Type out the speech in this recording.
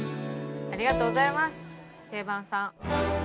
ありがとうございます定番さん。